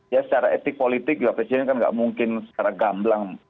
ya secara etik politik juga presiden kan gak mungkin secara gamblang